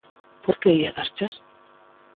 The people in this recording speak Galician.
Por que ía darchas?